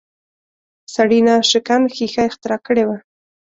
سړي ناشکن ښیښه اختراع کړې وه